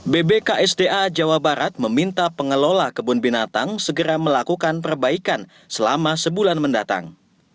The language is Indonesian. bbksda jawa barat meminta pengelola kebun binatang segera melakukan perbaikan selama sebulan mendatang